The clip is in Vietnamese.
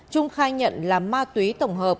trung khai nhận là ma túy tổng hợp